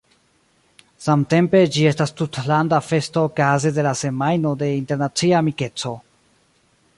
Samtempe ĝi estas tutlanda festo okaze de la Semajno de Internacia Amikeco.